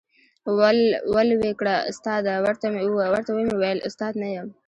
ول وې کړه ، استاده ، ورته ومي ویل استاد نه یم ،